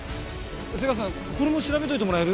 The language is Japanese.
背川さんこれも調べといてもらえる？